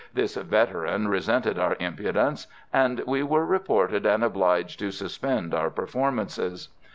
This veteran resented our impudence, and we were reported and obliged to suspend our performances.